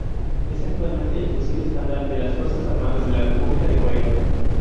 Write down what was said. Es actualmente el fusil estándar de las Fuerzas Armadas de la República de Corea.